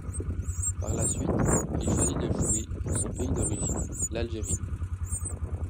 Par la suite, il choisit de jouer pour son pays d'origine, l'Algérie.